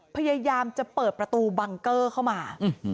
พยายามจะเปิดประตูบังเกอร์เข้ามา